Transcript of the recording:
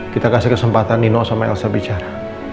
kita kasih kesempatan nino sama elsa bicara